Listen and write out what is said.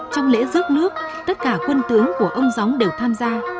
trong lễ rước nước tất cả quân tướng của ông gióng đều tham gia